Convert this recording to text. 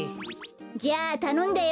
じゃあたのんだよ。